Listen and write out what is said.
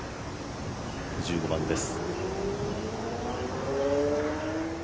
１５番です。